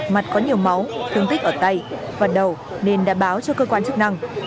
mặt có nhiều máu thương tích ở tay và đầu nên đã báo cho cơ quan chức năng